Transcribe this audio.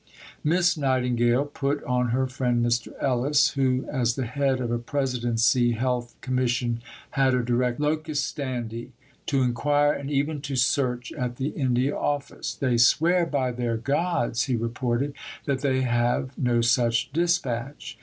Miss Nightingale put on her friend Mr. Ellis, who as the head of a Presidency Health Commission had a direct locus standi, to inquire and even to search at the India Office. "They swear by their gods," he reported, "that they have no such dispatch."